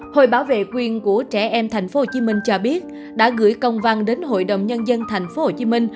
hội bảo vệ quyền của trẻ em tp hcm cho biết đã gửi công văn đến hội đồng nhân dân tp hcm